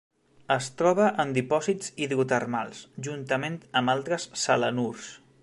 Es troba en dipòsits hidrotermals, juntament amb altres selenurs.